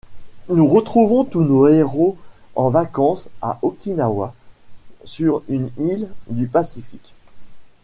Nous retrouvons tous nos héros en vacances à Okinawa, sur une île du Pacifique.